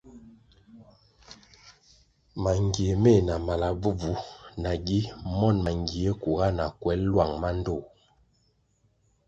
Mangie meh na mala bvubvu nagi monʼ mangie kuga na kwel lwang mandtoh.